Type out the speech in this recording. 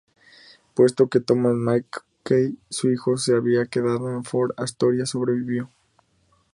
Puesto que Thomas MacKay, su hijo, se había quedado en Fort Astoria, sobrevivió.